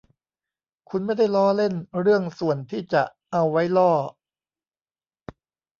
คุณไม่ได้ล้อเล่นเรื่องส่วนที่จะเอาไว้ล่อ